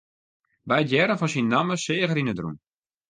By it hearren fan syn namme seach er yn it rûn.